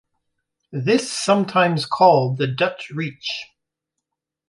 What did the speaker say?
This sometimes called the "Dutch Reach".